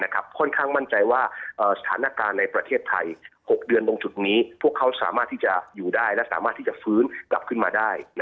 ค่อนข้างมั่นใจว่าสถานการณ์ในประเทศไทย๖เดือนตรงจุดนี้พวกเขาสามารถที่จะอยู่ได้และสามารถที่จะฟื้นกลับขึ้นมาได้